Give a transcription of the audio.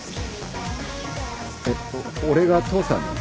えっ俺が父さんに？